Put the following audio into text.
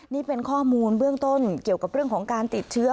นี่เป็นข้อมูลเบื้องต้นเกี่ยวกับเรื่องของการติดเชื้อ